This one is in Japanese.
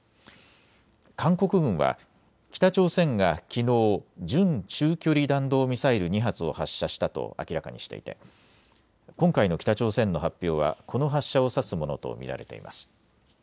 韓国軍は北朝鮮がきのう、準中距離弾道ミサイル２発を発射したと明らかにしていて今回の北朝鮮の発表はこの発射を指すものと見られています。